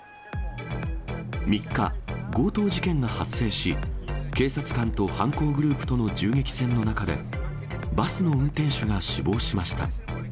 ３日、強盗事件が発生し、警察官と犯行グループとの銃撃戦の中で、バスの運転手が死亡しました。